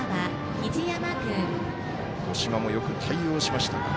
五島もよく対応しました。